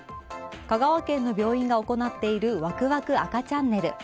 香川県の病院が行っているわくわく赤チャンネル。